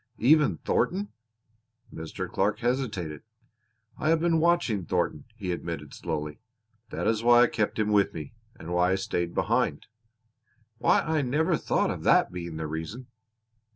"Even Thornton?" Mr. Clark hesitated. "I have been watching Thornton," he admitted slowly. "That is why I kept him with me, and why I stayed behind." "Why, I never thought of that being the reason!"